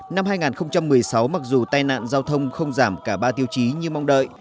năm hai nghìn một mươi sáu mặc dù tai nạn giao thông không giảm cả ba tiêu chí như mong đợi